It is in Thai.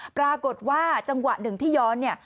ปรากฏว่าจังหวะหนึ่งที่ย้อนเนี่ย